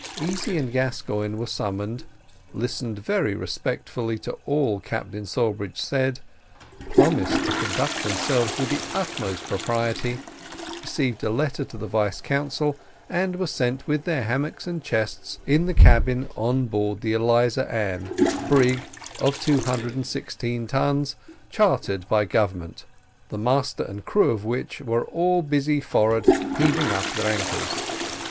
Easy and Gascoigne were summoned, listened very respectfully to all Captain Sawbridge said, promised to conduct themselves with the utmost propriety, received a letter to the vice consul, and were sent with their hammocks and chests in the cabin on board the Eliza Ann, brig, of two hundred and sixteen tons, chartered by government the master and crew of which were all busy forward heaving up their anchors.